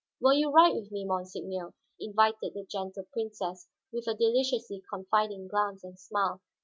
"Will you ride with me, monseigneur?" invited the Gentle Princess, with her deliciously confiding glance and smile.